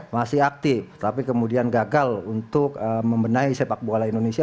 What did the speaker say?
masih aktif tapi kemudian gagal untuk membenahi sepak bola indonesia